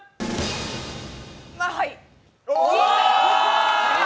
まあ、はい。